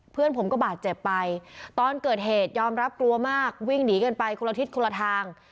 เพื่อนผมก็บาดเจ็บไปตอนเกิดเหตุยอมรับกลัวมากวิ่งหนีกันไปคนละทิศคนละทาง